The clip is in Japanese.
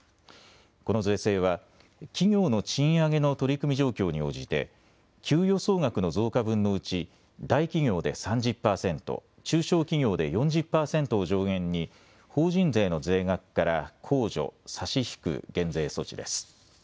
この税制は企業の賃上げの取り組み状況に応じて給与総額の増加分のうち大企業で３０％、中小企業で４０％を上限に法人税の税額から控除、差し引く減税措置です。